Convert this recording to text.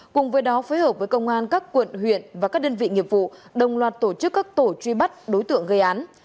cùng với đó phối hợp với công an các quận huyện và các đơn vị nghiệp vụ đồng loạt tổ chức các tổ truy bắt đối tượng gây án